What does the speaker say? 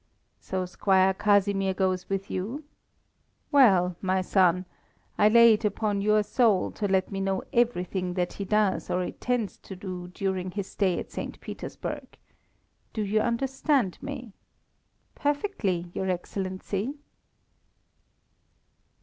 "So Squire Casimir goes with you? Well, my son, I lay it upon your soul to let me know everything that he does or intends to do during his stay at St. Petersburg. Do you understand me?" "Perfectly, your Excellency."